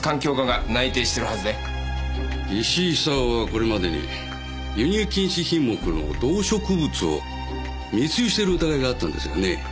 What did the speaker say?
石井久雄はこれまでに輸入禁止品目の動植物を密輸してる疑いがあったんですがね。